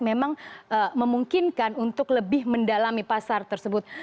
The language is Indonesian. memang memungkinkan untuk lebih mendalami pasar tersebut